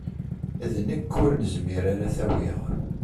D nekk ur nezmir ara ad t-awiɣ.